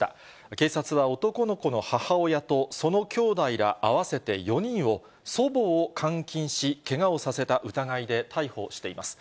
警察は男の子の母親とそのきょうだいら合わせて４人を、祖母を監禁し、けがをさせた疑いで逮捕しています。